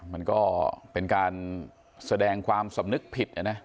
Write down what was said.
มันก็เป็นการแสดงความสำนึกผิดนะ